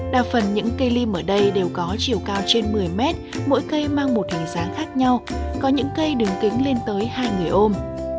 đa phần những cây lim ở đây đều có chiều cao trên một mươi mét mỗi cây mang một hình dáng khác nhau có những cây đứng kính lên tới hai người ôm